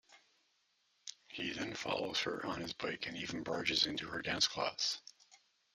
He then follows her on his bike and even barges into her dance class.